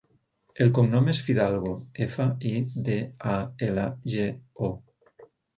El cognom és Fidalgo: efa, i, de, a, ela, ge, o.